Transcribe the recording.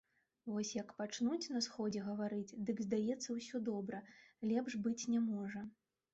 Вось, як пачнуць на сходзе гаварыць, дык здаецца ўсё добра, лепш быць не можа.